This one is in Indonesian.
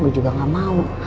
gue juga gak mau